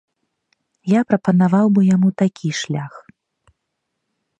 Я прапанаваў бы яму такі шлях.